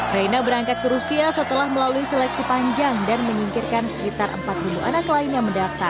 raina berangkat ke rusia setelah melalui seleksi panjang dan menyingkirkan sekitar empat puluh anak lain yang mendaftar